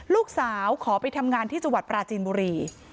ลูกสาวขอไปทำงานที่จังหวัดปราจีนบุรี